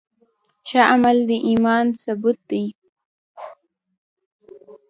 ښه عمل د ایمان ثبوت دی.